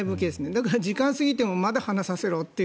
だから時間を過ぎてもまだ話させろって。